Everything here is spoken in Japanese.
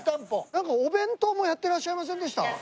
なんかお弁当もやってらっしゃいませんでした？